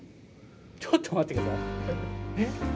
ちょっと待って下さい。